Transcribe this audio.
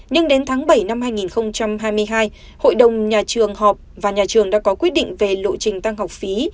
nhưng đến tháng bảy năm hai nghìn hai mươi hai hội đồng nhà trường họp và nhà trường đã có quyết định về lộ trình tăng học phí